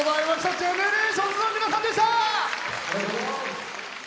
ＧＥＮＥＲＡＴＩＯＮＳの皆さんでした。